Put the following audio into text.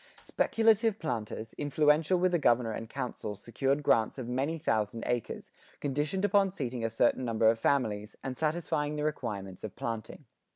Speculative planters, influential with the Governor and Council secured grants of many thousand acres, conditioned upon seating a certain number of families, and satisfying the requirements of planting.